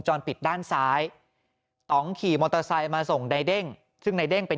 ปิดด้านซ้ายต่องขี่มอเตอร์ไซค์มาส่งในเด้งซึ่งนายเด้งเป็น